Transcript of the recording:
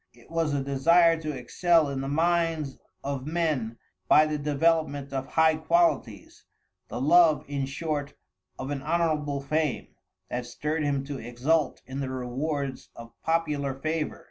It was a desire to excel in the minds of men by the development of high qualities, the love, in short, of an honorable fame, that stirred him to exult in the rewards of popular favor.